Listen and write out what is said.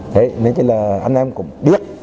thế nên chỉ là anh em cũng biết